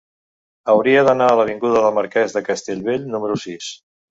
Hauria d'anar a l'avinguda del Marquès de Castellbell número sis.